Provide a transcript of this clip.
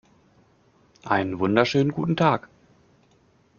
Einen wunderschönen guten Tag!